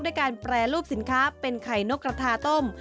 ด้วยการแปรรูปสินค้าเป็นไข่นกกระทาต้ม